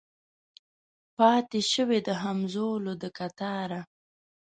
پاته شوي د همزولو د کتاره